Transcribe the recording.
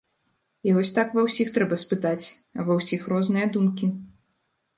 І вось так ва ўсіх трэба спытаць, а ва ўсіх розныя думкі.